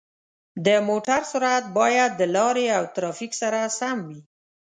د موټر سرعت باید د لارې او ترافیک سره سم وي.